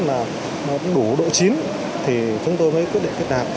mà cũng đủ độ chín thì chúng tôi mới quyết định kết nạp